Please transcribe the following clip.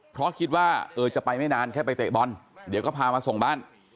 เพราะคิดว่าเออจะไปไม่นานแค่ไปเตะบอลเดี๋ยวก็พามาส่งบ้าน